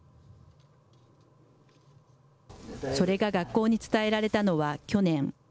それが学校に伝えられたのは去年。